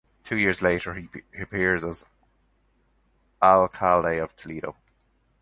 Two years later, he appears as Alcalde of Toledo.